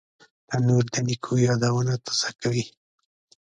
تنور د نیکو یادونه تازه کوي